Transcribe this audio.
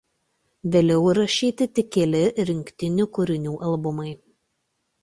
Vėliau įrašyti tik keli rinktinių kūrinių albumai.